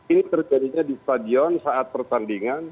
ini terjadinya di stadion saat pertandingan